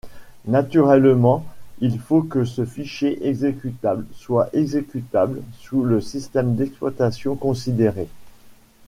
Naturellement il faut que ce fichier exécutable soit exécutable sous le système d'exploitation considéré.